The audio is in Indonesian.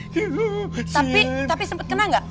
tapi tapi sempet kena gak